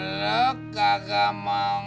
lo kagak mau ngantuk